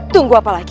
tunggu apa lagi